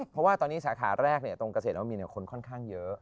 เพราะว่าตอนนี้สาขาแรกตรงเกษตรนมินคนค่อนข้างเยอะ